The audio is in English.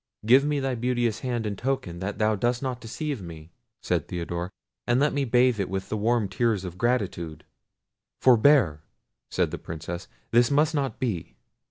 "Give me thy beauteous hand in token that thou dost not deceive me," said Theodore; "and let me bathe it with the warm tears of gratitude." "Forbear!" said the Princess; "this must not be."